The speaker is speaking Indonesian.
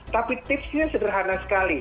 tapi tipsnya sederhana sekali